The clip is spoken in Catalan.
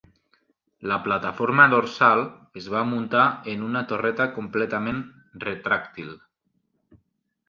La plataforma dorsal es va muntar en una torreta completament retràctil.